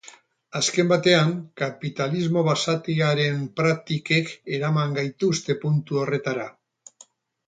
Azken batean, kapitalismo basatiaren praktikek eraman gaituzte puntu horretara.